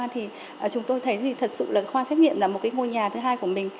thì chúng tôi thấy thì thật sự là khoa xét nghiệm là một ngôi nhà thứ hai của mình